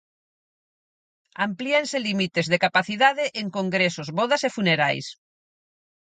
Amplíanse límites de capacidade en congresos, vodas e funerais.